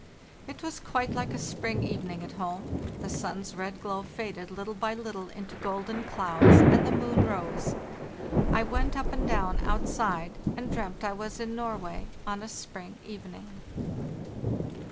"It was quite like a spring evening at home; the sun's red glow faded little by little into golden clouds, and the moon rose. I went up and down outside, and dreamt I was in Norway on a spring evening.